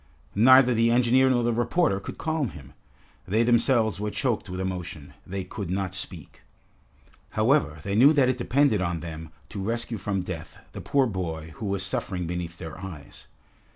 Neither the engineer nor the reporter could calm him. They themselves were choked with emotion. They could not speak. However, they knew that it depended on them to rescue from death the poor boy who was suffering beneath their eyes.